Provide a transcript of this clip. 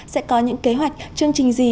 sẽ có những kế hoạch chương trình gì